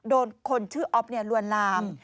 โดนคนชื่ออ๊อฟลวนลาม